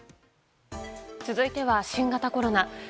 続いては新型コロナ。